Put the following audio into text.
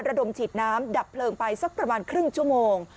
ระดมฉีดน้ำดับเพลิงไปสักประมาณครึ่งชั่วโมง